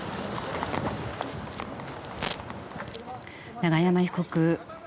永山被告